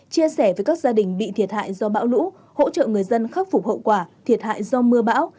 chia sẻ với các gia đình bị thiệt hại do bão lũ hỗ trợ người dân khắc phục hậu quả thiệt hại do mưa bão